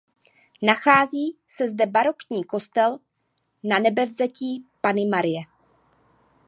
Nachází se zde barokní kostel Nanebevzetí Panny Marie.